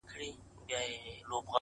کشکي ستا پر لوڅ بدن وای ځلېدلی،!